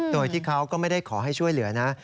โดยที่เขาก็ไม่ได้ขอให้ช่วยเหลือนะ